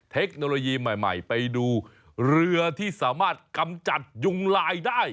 เทคโนโลยีใหม่ไปดูเรือที่สามารถกำจัดยุงลายได้